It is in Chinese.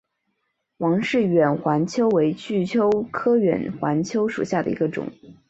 王氏远环蚓为巨蚓科远环蚓属下的一个种。